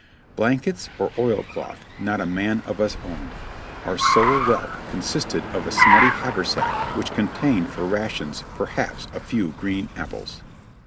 Blankets or oilcloth not a man of us owned, our sole wealth con sisting of a smutty haversack which contained for rations perhaps a few green apples.